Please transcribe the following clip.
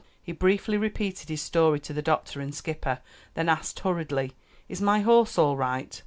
He briefly repeated his story to the doctor and skipper; then asked hurriedly, "Is my horse all right?"